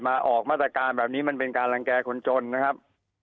ออกมาตรการแบบนี้มันเป็นการรังแก่คนจนนะครับ